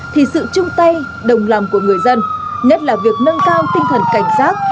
thì sự chung tay đồng lòng của người dân nhất là việc nâng cao tinh thần cảnh giác